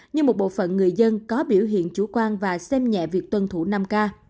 nhưng một bộ phận người dân có biểu hiện chủ quan và xem nhẹ việc tuân thủ năm ca